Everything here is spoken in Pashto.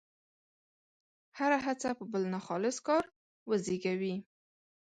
هره هڅه به بل ناخالص کار وزېږوي.